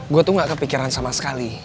gue tuh gak kepikiran sama sekali